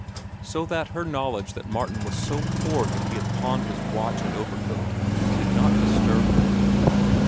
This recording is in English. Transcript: So that her knowledge that Martin was so poor that he had pawned his watch and overcoat did not disturb her.